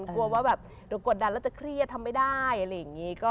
กลัวว่าแบบเดี๋ยวกดดันแล้วจะเครียดทำไม่ได้อะไรอย่างนี้